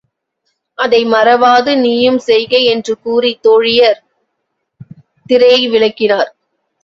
அதை மறவாது நீயும் செய்க என்று கூறித் தோழியர் திரையை விலக்கினர்.